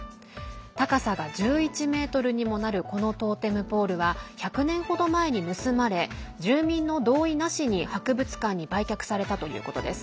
高さが１１ｍにもなるこのトーテムポールは１００年程前に盗まれ住民の同意なしに博物館に売却されたということです。